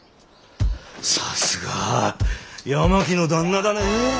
さすが八巻の旦那だね！